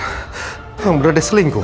memang benar ada selingkuh